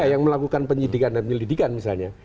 yang melakukan penyidikan dan penyelidikan misalnya